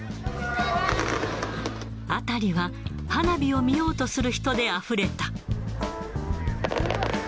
辺りは花火を見ようとする人であふれた。